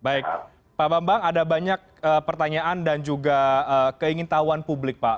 baik pak bambang ada banyak pertanyaan dan juga keingin tahuan publik pak